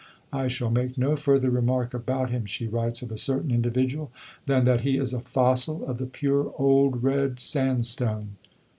"I shall make no further remark about him," she writes of a certain individual, "than that he is a fossil of the pure Old Red Sandstone."